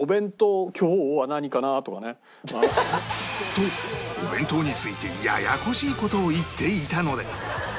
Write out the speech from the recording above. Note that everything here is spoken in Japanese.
とお弁当についてややこしい事を言っていたので